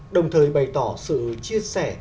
đồng thời bày tỏ sự chia sẻ